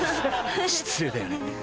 失礼だよね。